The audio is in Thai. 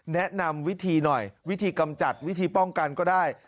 แนะนำวิธีหน่อยวิธีกำจัดวิธีป้องกันก็ได้